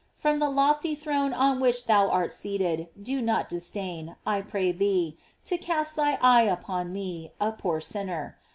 From the lofty throne on which thou art seated, do not disdain, I pray thee, to cast thy eye upon me, a poor sinner.